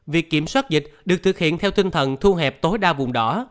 việc kiểm soát dịch được thực hiện theo tinh thần thu hẹp tối đa vùng đỏ